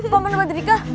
pak mbak drika